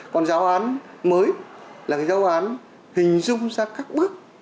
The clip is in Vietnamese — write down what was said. còn giáo án mới là cái giáo án hình dung ra các bước